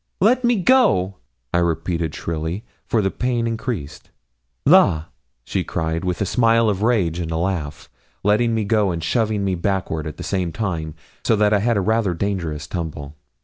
'Let me go,' I repeated shrilly, for the pain increased. 'La!' she cried with a smile of rage and a laugh, letting me go and shoving me backward at the same time, so that I had a rather dangerous tumble.